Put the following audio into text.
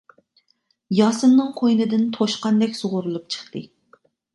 ياسىننىڭ قوينىدىن توشقاندەك سۇغۇرۇلۇپ چىقتى.